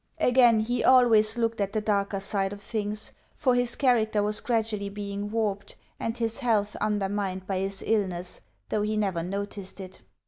Again, he always looked at the darker side of things, for his character was gradually being warped, and his health undermined by his illness, though he never noticed it.